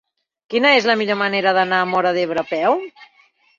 Quina és la millor manera d'anar a Móra d'Ebre a peu?